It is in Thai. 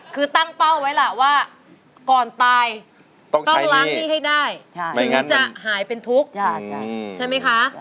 คือตั้งเป้าไว้ล่ะว่าก่อนตายต้องล้างหนี้ให้ได้ถึงจะหายเป็นทุกข์ใช่ไหมคะ